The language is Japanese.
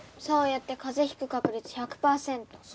そうやって風邪引く確率１００パーセント。